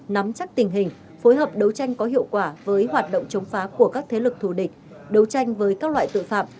nắm chắc tình hình phối hợp đấu tranh có hiệu quả với hoạt động chống phá của các thế lực thù địch đấu tranh với các loại tội phạm